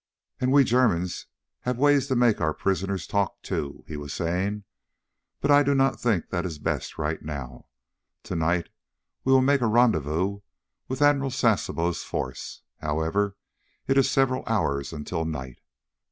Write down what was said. "... And we Germans have ways to make our prisoners talk, too," he was saying. "But I do not think that is best, right now. Tonight we will make a rendezvous with Admiral Sasebo's force. However, it is several hours until night.